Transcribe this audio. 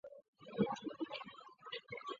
亦是他们近年来赢得总冠军的重要因素。